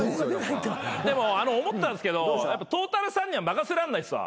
でも思ったんですけどトータルさんには任せられないですわ。